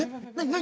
何？